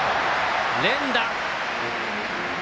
連打。